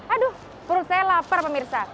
aduh perut saya lapar pemirsa